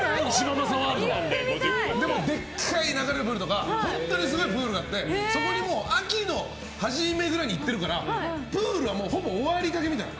でも、でかい流れるプールとかすごいプールがあってそこに秋の始めくらいに行ってるからプールはほぼ終わりかけみたいな。